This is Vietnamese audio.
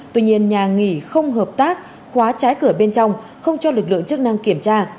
tuy nhiên nhà nghỉ không hợp tác khóa trái cửa bên trong không cho lực lượng chức năng kiểm tra